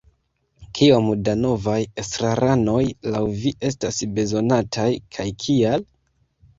Kiom da novaj estraranoj laŭ vi estas bezonataj, kaj kial?